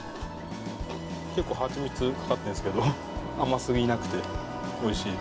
結構はちみつかかってるんですけど甘すぎなくておいしいです。